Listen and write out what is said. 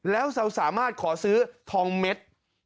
แล้วเราสามารถขอซื้อทองเม็ด